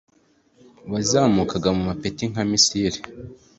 wazamukaga mu mapeti nka missile